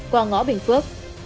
qua ngõ bình phước